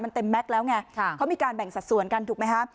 มันเต็มแม็กซ์แล้วไงเขามีการแบ่งสัดส่วนกันถูกไหมฮะ